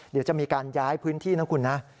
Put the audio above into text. เดี๋ยวจะมีการย้ายพื้นที่นะคุณนะ